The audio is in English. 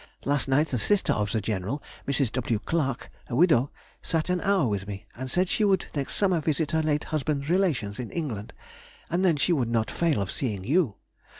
Last night the sister of the general, Mrs. W. Clarke, a widow, sat an hour with me, and said she would next summer visit her late husband's relations in England, and then she would not fail of seeing you.